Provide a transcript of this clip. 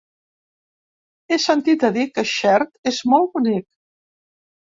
He sentit a dir que Xert és molt bonic.